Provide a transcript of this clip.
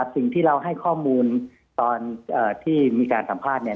สิ่งที่เราให้ข้อมูลตอนที่มีการสัมภาษณ์